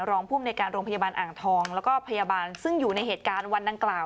รองภูมิในการโรงพยาบาลอ่างทองแล้วก็พยาบาลซึ่งอยู่ในเหตุการณ์วันดังกล่าว